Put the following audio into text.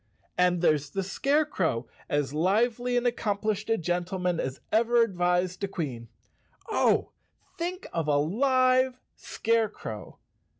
And there's the Scare¬ crow, as lively and accomplished a gentleman as ever advised a Queen. Oh, think of a live Scarecrow!